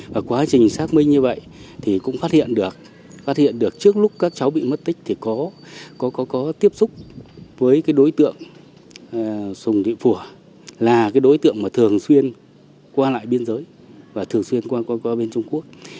và quá trình xác minh như vậy thì cũng phát hiện được phát hiện được trước lúc các cháu bị mất tích thì có tiếp xúc với cái đối tượng sùng thị phủa là đối tượng mà thường xuyên qua lại biên giới và thường xuyên qua bên trung quốc